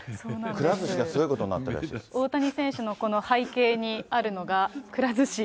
くら寿司がすごいことになっ大谷選手のこの背景にあるのが、くら寿司。